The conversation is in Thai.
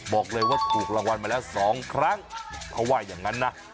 บอกเลยว่าถูกรางวัลมาแล้วสองครั้งเขาว่าอย่างนั้นนะ